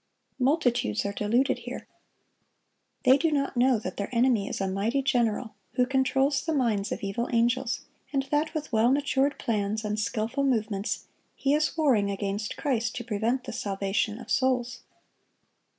Multitudes are deluded here. They do not know that their enemy is a mighty general, who controls the minds of evil angels, and that with well matured plans and skilful movements he is warring against Christ to prevent the salvation of souls.